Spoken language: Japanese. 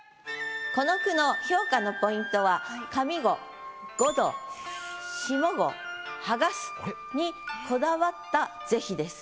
この句の評価のポイントは上五「五度」下五「剥がす」にこだわった是非です。